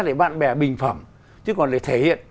để bạn bè bình phẩm chứ còn lại thể hiện